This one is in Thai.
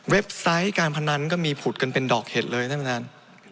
ไซต์การพนันก็มีผุดกันเป็นดอกเห็ดเลยท่านประธาน